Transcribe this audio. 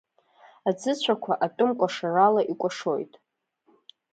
Аӡыцәақәа, атәым кәашарала икәашоит!